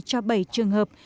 cho bảy trường hợp